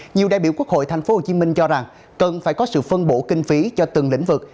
nhiều đại biểu quốc hội tp hcm cho rằng cần phải có sự phân bổ kinh phí cho từng lĩnh vực